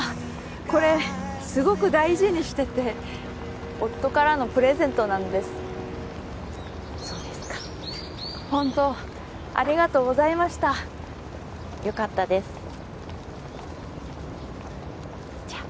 これすごく大事にしてて夫からのプレゼントなんですそうですかホントありがとうございましたよかったですじゃあ